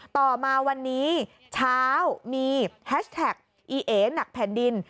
ต่อมาวันนี้เช้ามีแฮชแท็กอีเอหนักแผ่นดิน